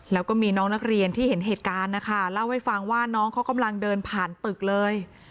แล้วก็มีน้องนักเรียนที่เห็นเหตุการณ์นะคะเล่าให้ฟังว่าน้องเขากำลังเดินผ่านตึกเลย